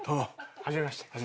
はじめまして。